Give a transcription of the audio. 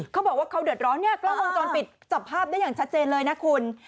เขาบอกว่าเขาเดือดร้อนเนี่ยกล้องวงจรปิดจับภาพได้อย่างชัดเจนเลยนะคุณ